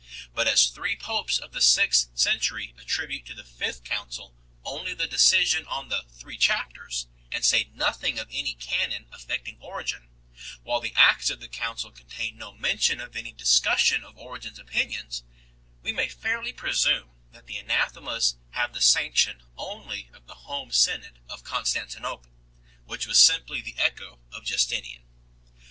But as three popes of the sixth century attribute to the Fifth Council only the decision on the " Three Chapters 7 " and say nothing of any canon affecting Origen, while the Acts of the council contain no mention of any discussion of Origen s opinions, we may fairly pre sume that the anathemas have the sanction only of the Home Synod of Constantinople, which was simply the echo of Justinian.